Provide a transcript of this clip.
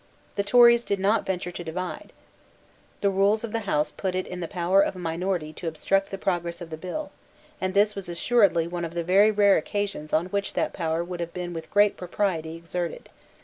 The Tories did not venture to divide, The rules of the House put it in the power of a minority to obstruct the progress of a bill; and this was assuredly one of the very rare occasions on which that power would have been with great propriety exerted.